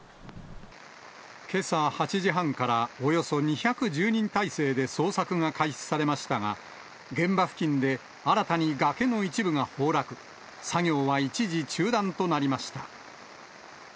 けさ８時半からおよそ２１０人態勢で捜索が開始されましたが、現場付近で新たに崖の一部が崩落、作業は一時中断となりました。